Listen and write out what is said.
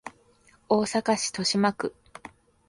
大阪市都島区